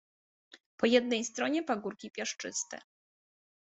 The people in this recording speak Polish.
Po jednej stronie pagórki piaszczyste.